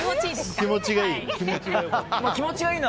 気持ちがいい。